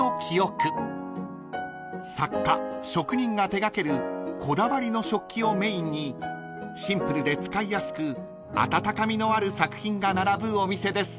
［作家職人が手掛けるこだわりの食器をメインにシンプルで使いやすく温かみのある作品が並ぶお店です］